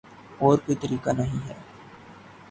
اور کوئی طریقہ نہیں ہے